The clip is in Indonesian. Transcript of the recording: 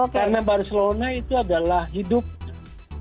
karena barcelona itu adalah hidupnya